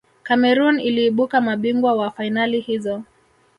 cameroon iliibuka mabingwa wa fainali hizo